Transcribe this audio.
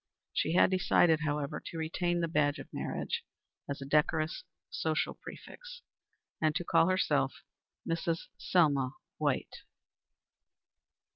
She had decided, however, to retain the badge of marriage as a decorous social prefix, and to call herself Mrs. Selma White.